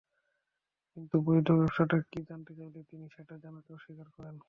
কিন্তু বৈধ ব্যবসাটা কী, জানাতে চাইলে তিনি সেটা জানাতে অস্বীকার করেন।